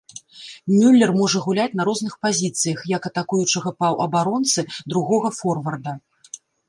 Мюлер можа гуляць на розных пазіцыях, як атакуючага паўабаронцы, другога форварда.